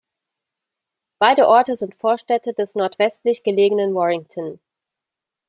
Beide Orte sind Vorstädte des nordwestlich gelegenen Warrington.